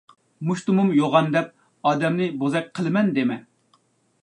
مۇشتۇمۇم يوغان دەپ ئادەمنى بوزەك قىلىمەن دېمە!